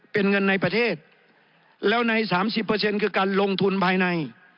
เป็นเงินในประเทศแล้วใน๓๐คือการลงทุนภายใน